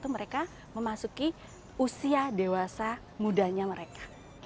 mereka memasuki usia dewasa mudanya mereka